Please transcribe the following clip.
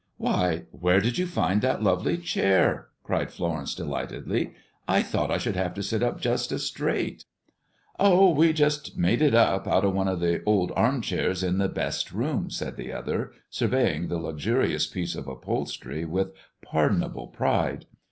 "Why, where did you find that lovely chair?" cried Florence delightedly. "I thought I should have to sit up just as straight!" "Oh, we jest made it up out of one of the old armchairs in the best room," said the other, surveying the luxurious piece of upholstery with pardonable pride.